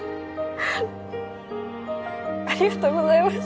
ありがとうございます